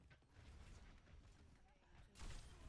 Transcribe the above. Kamchiliklarni bosqichma -bosqich bartaraf etishga va'da berilgan